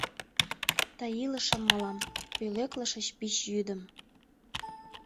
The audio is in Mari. Тый илышым мылам Пӧлеклышыч пич йӱдым.